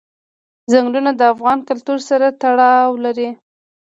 ځنګلونه د افغان کلتور سره تړاو لري.